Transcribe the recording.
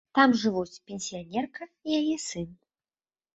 Там жывуць пенсіянерка і яе сын.